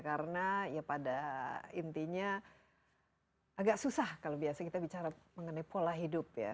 karena ya pada intinya agak susah kalau biasa kita bicara mengenai pola hidup ya